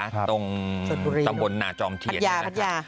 ตรงตำบลนาจอมเทียนพัดยา